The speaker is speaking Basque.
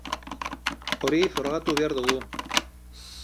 Hori frogatu behar dugu.